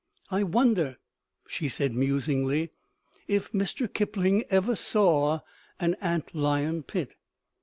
"I wonder," she said, musingly, "if Mr. Kipling ever saw an ant lion pit."